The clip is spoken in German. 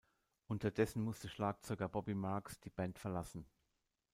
Unterdessen musste Schlagzeuger Bobby Marks die Band verlassen.